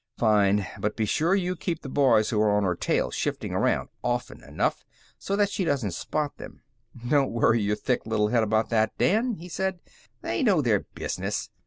"Fine. But be sure you keep the boys who are on her tail shifting around often enough so that she doesn't spot them." "Don't worry your thick little head about that, Dan," he said. "They know their business.